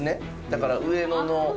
だから上野の。